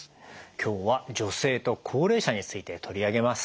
今日は女性と高齢者について取り上げます。